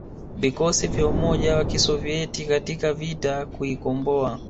vikosi vya umoja wa Kisoviet katika vita kuikomboa